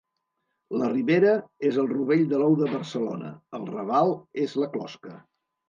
La Ribera és el rovell de l'ou de Barcelona; el Raval és la closca.